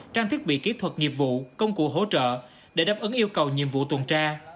trang thiết bị kỹ thuật nghiệp vụ công cụ hỗ trợ để đáp ứng yêu cầu nhiệm vụ tuần tra